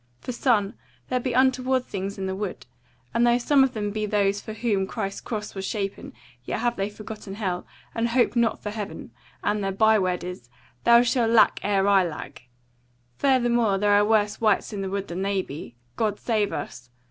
For, son, there be untoward things in the wood; and though some of them be of those for whom Christ's Cross was shapen, yet have they forgotten hell, and hope not for heaven, and their by word is, 'Thou shalt lack ere I lack.' Furthermore there are worse wights in the wood than they be God save us!